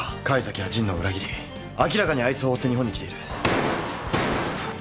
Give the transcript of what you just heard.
甲斐崎は神野を裏切り明らかにあいつを追って日本に来ている。